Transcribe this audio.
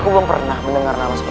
kamu kenal dengan ibunya aku